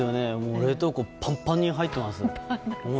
冷凍庫パンパンに入ってます。